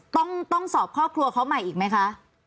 ต้องสอบครอบครัวเขาใหม่อีกไหมคะ